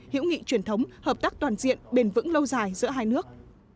hiểu nghị truyền thống hợp tác toàn diện bền vững lâu dài giữa hai nước